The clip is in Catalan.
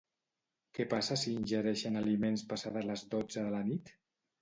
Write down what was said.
Què passa si ingereixen aliments passades les dotze de la nit?